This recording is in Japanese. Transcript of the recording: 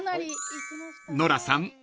［ノラさん